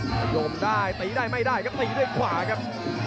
พยายามได้ตีได้ไม่ได้ครับตีด้วยขวาครับ